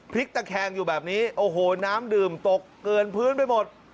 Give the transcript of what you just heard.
พลิกตะแคงอยู่แบบนี้โอ้โหน้ำดื่มตกเกลือนพื้นไปหมด